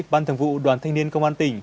ban thường vụ đoàn thanh niên công an tỉnh